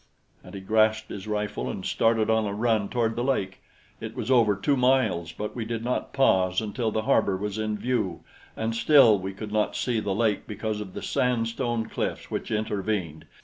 And he grasped his rifle and started on a run toward the lake. It was over two miles, but we did not pause until the harbor was in view, and still we could not see the lake because of the sandstone cliffs which intervened.